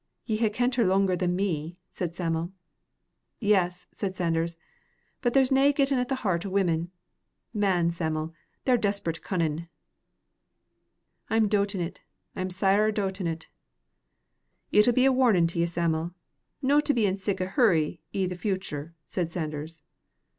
"Ye hae kent her langer than me," said Sam'l. "Yes," said Sanders, "but there's nae gettin' at the heart o' women. Man Sam'l, they're desperate cunnin'." "I'm dootin't; I'm sair dootin't." "It'll be a warnin' to ye, Sam'l, no to be in sic a hurry i' the futur," said Sanders.